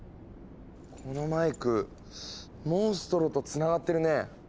このマイクモンストロとつながってるね。